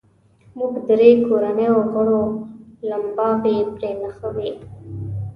موږ درې کورنیو غړو لمباوې پرې نښوې.